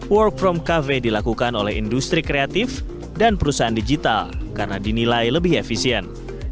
work from cafe dilakukan oleh industri kreatif dan perusahaan digital karena dinilai lebih efisien